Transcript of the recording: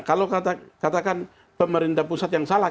kalau katakan pemerintah pusat yang salah